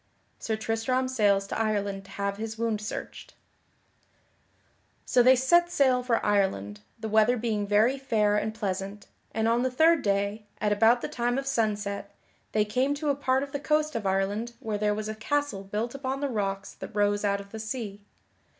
[Sidenote: Sir Tristram sails to Ireland to have his wound searched] So they set sail for Ireland, the weather being very fair and pleasant, and on the third day, at about the time of sunset, they came to a part of the coast of Ireland where there was a castle built upon the rocks that rose out of the sea.